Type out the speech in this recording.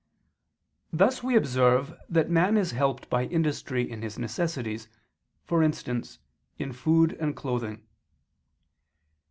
Thus we observe that man is helped by industry in his necessities, for instance, in food and clothing.